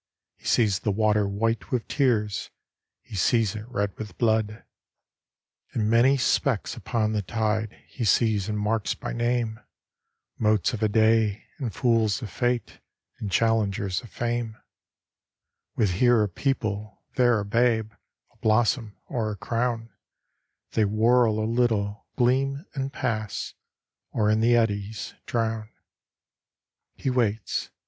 He sees the water white with tears, He sees it red with blood. And many specks upon the tide He sees and marks by name, Motes of a day, and fools of Fate, And challengers of fame; With here a people, there a babe, A blossom, or a crown, They whirl a little, gleam, and pass, Or in the eddies drown. He waits.